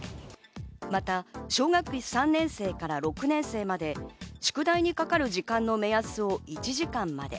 また小学３年生から６年生まで宿題にかかる時間の目安を１時間まで。